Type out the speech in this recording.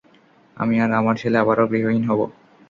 আমি আর আমার ছেলে আবারও গৃহহীন হবো।